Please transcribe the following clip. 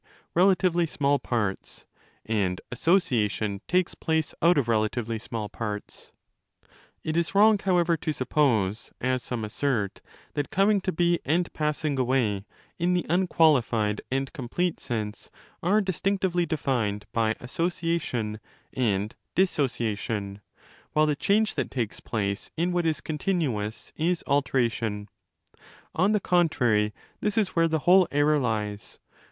re latively small) parts, and 'association' takes place out of relatively small parts. It is wrong, however, to suppose, as some assert, that coming to be and passing away in the unqualified and complete sense are distinctively defined by 'association' and 'dissociation', while the change that takes place in what is continuous is 'alteration'. On the contrary, this is where the whole error lies.